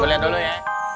gua liat dulu ya